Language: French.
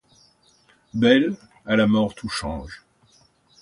Belle, à la mort tout change ;